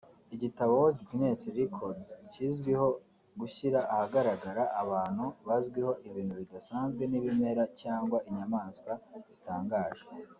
Igitabo World Guinness Records kizwiho gushyira ahagaragara abantu bazwiho ibintu bidasanzwe n’ibimera cyangwa inyamaswa bitangaje